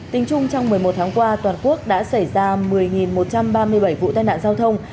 tính chung trong một mươi một tháng qua toàn quốc đã xảy ra một mươi một trăm ba mươi bảy vụ tai nạn giao thông